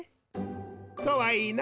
かわいいな。